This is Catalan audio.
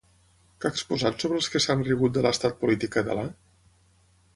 Què ha exposat sobre els que s'han rigut de l'estat polític català?